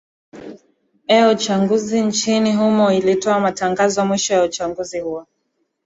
e ya uchanguzi nchini humo ilitoa matangazo mwisho ya uchanguzi huo